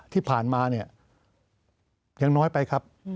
ที่ผ่านมาอย่างน้อยไปครับ